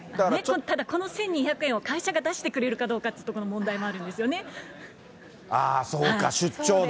ただこの１２００円を会社が出してくれるかっていうところのあー、そうか、出張で。